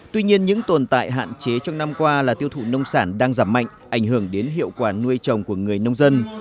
tuy nhiên những tồn tại hạn chế trong năm qua là tiêu thụ nông sản đang giảm mạnh ảnh hưởng đến hiệu quả nuôi trồng của người nông dân